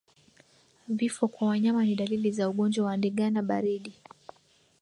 Vifo kwa wanyama ni dalili za ugonjwa wa ndigana baridi